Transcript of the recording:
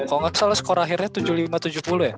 kalau nggak salah skor akhirnya tujuh puluh lima tujuh puluh ya